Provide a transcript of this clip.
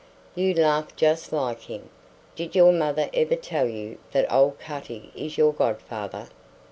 You laugh just like him. Did your mother ever tell you that old Cutty is your godfather?"